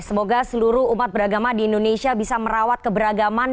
semoga seluruh umat beragama di indonesia bisa merawat keberagaman